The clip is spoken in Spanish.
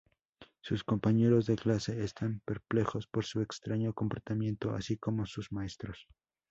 Sus compañeros de clase están perplejos por su extraño comportamiento, así como sus maestros.